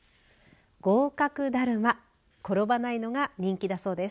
合格だるま転ばないのが人気だそうです。